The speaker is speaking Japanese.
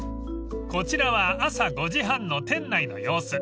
［こちらは朝５時半の店内の様子］